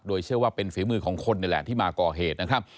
โดยเชื่อว่าเป็นฝีมือของคนนี่แหละที่มาก่อเหตุนะครับ